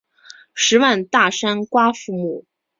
十万大山瓜馥木